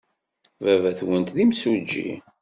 Baba-twent d imsujji?